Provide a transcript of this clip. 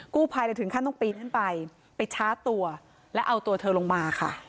กู้ภัยถึงขั้นต้องปีนขึ้นไปไปชาร์จตัวและเอาตัวเธอลงมาค่ะ